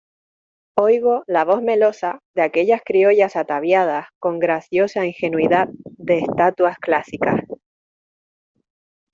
oigo la voz melosa de aquellas criollas ataviadas con graciosa ingenuidad de estatuas clásicas